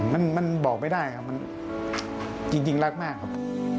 มันบอกไม่ได้ครับมันจริงรักมากครับ